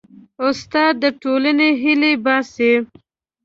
استاد د ټولنې هیلې باسي.